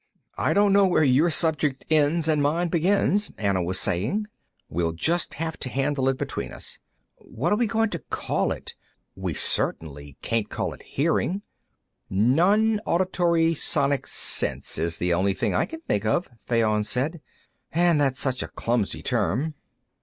"I don't know where your subject ends and mine begins," Anna was saying. "We'll just have to handle it between us. What are we going to call it? We certainly can't call it hearing." "Nonauditory sonic sense is the only thing I can think of," Fayon said. "And that's such a clumsy term."